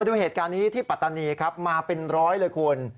ด้วยเหตุการณ์นี้ที่ปรัตตานีมาเป็น๑๐๐เลยคุณ